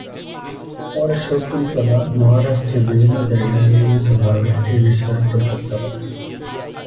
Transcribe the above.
পরে শকুন্তলা মহারাষ্ট্রের বিভিন্ন জায়গায় নিয়মিত ভাবে এই বিষয়ে প্রচারচালাতেন।